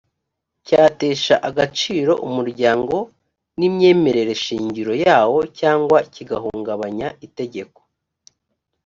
cyatesha agaciro umuryango n imyemerereshingiro yawo cyangwa kigahungabanya itegeko